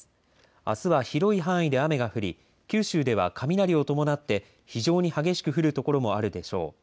あすは広い範囲で雨が降り九州では雷を伴って非常に激しく降る所もあるでしょう。